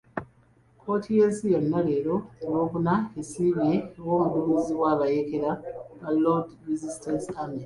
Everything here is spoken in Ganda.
Kkooti y'ensi yonna leero ku Lwokuna esibye eyali omuduumizi w'abayeekera ba Lord's Resistance Army.